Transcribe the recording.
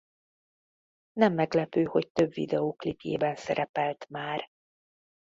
Nem meglepő hogy több videóklipjében szerepelt már.